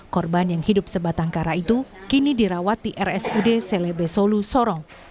korban yang hidup sebatang kara itu kini dirawat di rsud selebe solu sorong